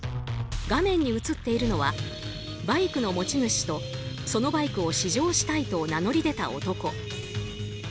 画面に映っているのはバイクの持ち主とそのバイクを試乗したいと名乗り出た男。